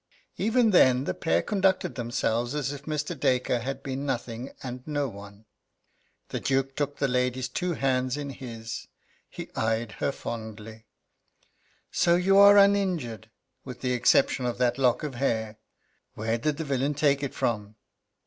Even then the pair conducted themselves as if Mr. Dacre had been nothing and no one. The Duke took the lady's two hands in his. He eyed her fondly. "So you are uninjured, with the exception of that lock of hair. Where did the villain take it from?"